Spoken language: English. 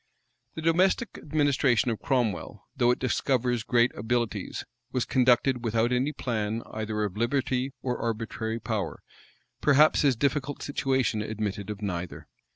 The domestic administration of Cromwell, though it discovers great abilities, was conducted without any plan either of liberty or arbitrary power: perhaps his difficult situation admitted of neither.